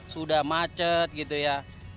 sudah macet gitu ya